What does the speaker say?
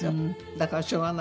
だからしょうがないから。